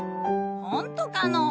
ほんとかのう。